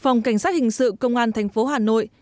phòng cảnh sát hình sự công an thành phố hà nội